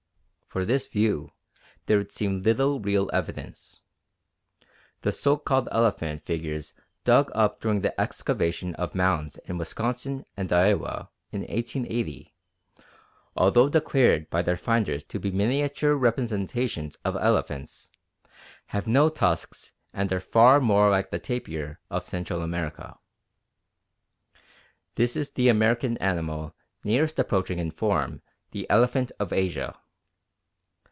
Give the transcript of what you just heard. For this view there would seem little real evidence. The so called elephant figures dug up during the excavation of mounds in Wisconsin and Iowa in 1880, although declared by their finders to be miniature representations of elephants, have no tusks and are far more like the tapir of Central America. This is the American animal nearest approaching in form the elephant of Asia.